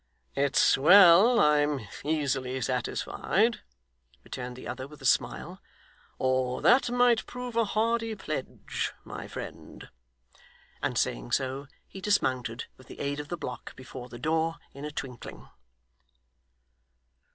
'It's well I am easily satisfied,' returned the other with a smile, 'or that might prove a hardy pledge, my friend.' And saying so, he dismounted, with the aid of the block before the door, in a twinkling.